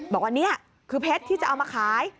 บอกว่านี่คือเพชรที่จะเอามาขาย